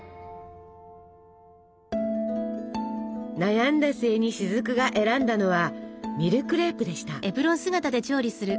悩んだ末に雫が選んだのはミルクレープでした。